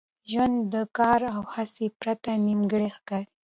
ژوند د کار او هڅي پرته نیمګړی ښکاري.